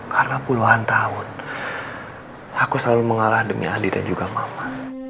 karena puluhan tahun aku selalu mengalah demi andi dan juga mama